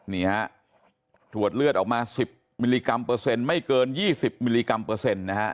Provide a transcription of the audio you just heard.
นี่ฮะถวดเลือดออกมา๑๐มิลลิกรัมเปอร์เซ็นต์ไม่เกิน๒๐มิลลิกรัมเปอร์เซ็นต์นะฮะ